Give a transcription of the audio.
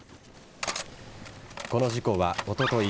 この事故はおととい